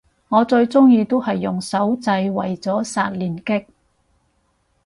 我最鍾意都係用手掣為咗刷連擊